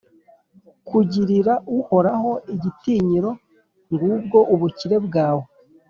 kugirira Uhoraho igitinyiro, ngubwo ubukire bwawe!